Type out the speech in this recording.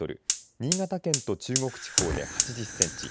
新潟県と中国地方で８０センチ